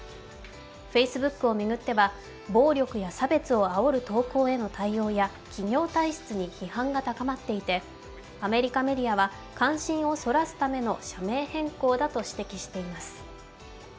Ｆａｃｅｂｏｏｋを巡っては暴力や差別をあおる投稿への対応や企業体質に批判が高まっていてアメリカメディアは関心をそらすための社名変更だと指摘しています。